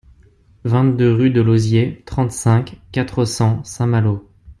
vingt-deux rue de Lozier, trente-cinq, quatre cents, Saint-Malo